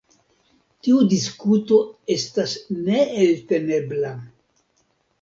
Tiu diskuto estas neeltenebla.